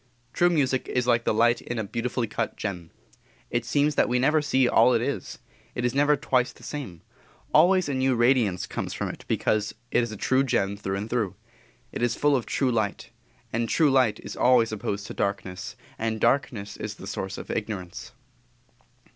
True music is like the light in a beautifully cut gem, it seems that we never see all it is it is never twice the same; always a new radiance comes from it because it is a true gem through and through. It is full of true light, and true light is always opposed to darkness; and darkness is the source of ignorance.